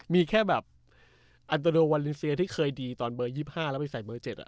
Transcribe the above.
มีแค่แบบอันโตโดวาเลนเซียที่เคยดีตอนเบอร์ยี่บห้าแล้วไปใส่เบอร์เจ็ดอ่ะ